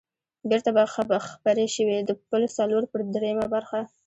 بېرته به خپرې شوې، د پل څلور پر درېمه برخه.